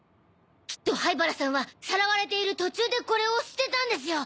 きっと灰原さんはさらわれている途中でこれを捨てたんですよ！